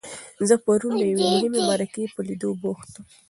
زه پرون د یوې مهمې مرکې په لیدو بوخت وم.